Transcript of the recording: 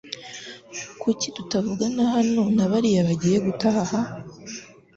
Kuki tutavana hano nabariya bagiye gutaha?